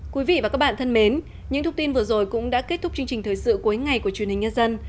quý vị và các bạn thân mến những thông tin vừa rồi cũng đã kết thúc chương trình thời sự cuối ngày của truyền hình nhân dân